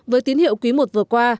với tín hiệu quý i vừa qua